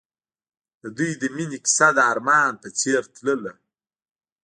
د دوی د مینې کیسه د آرمان په څېر تلله.